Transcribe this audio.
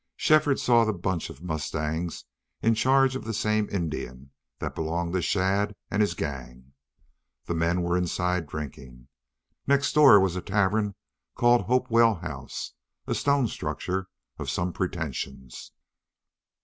Shefford saw the bunch of mustangs, in charge of the same Indian, that belonged to Shadd and his gang. The men were inside, drinking. Next door was a tavern called Hopewell House, a stone structure of some pretensions.